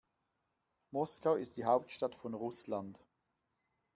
Moskau ist die Hauptstadt von Russland.